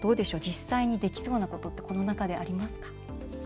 実際にできそうなことってこの中でありますか？